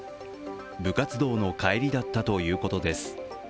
部活動の帰りだったということです。